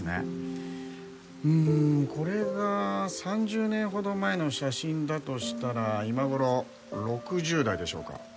うーんこれが３０年ほど前の写真だとしたら今頃６０代でしょうか？